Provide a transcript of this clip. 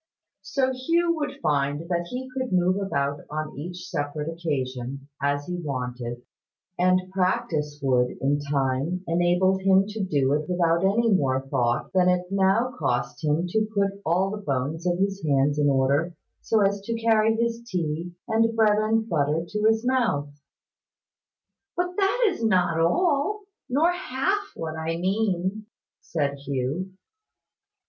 So Hugh would find that he could move about on each separate occasion, as he wanted; and practice would, in time, enable him to do it without any more thought than it now cost him to put all the bones of his hands in order, so as to carry his tea and bread and butter to his mouth. "But that is not all nor half what I mean," said Hugh.